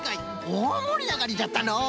おおもりあがりじゃったのう！